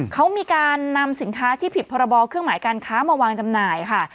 เขามีการนำสินค้าที่ผิดพรบเครื่องหมายการค้ามาวางจำหน่ายค่ะ